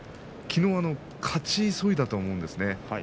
きのう勝ち急いだと思うんです。